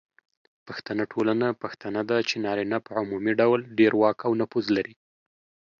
پښتنه ټولنه پښتنه ده، چې نارینه په عمومي ډول ډیر واک او نفوذ لري.